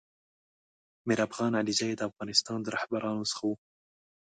میر افغان علیزی دافغانستان د رهبرانو څخه و